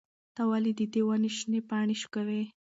ته ولې د دې ونې شنې پاڼې شوکوې؟